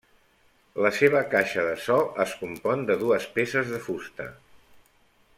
La seva caixa de so es compon de dues peces de fusta.